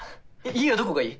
家はどこがいい？